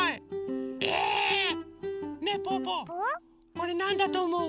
これなんだとおもう？